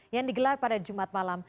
yang digelar pada jumat malam